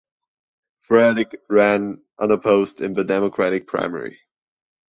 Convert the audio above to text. Froelich ran unopposed in the Democratic primary.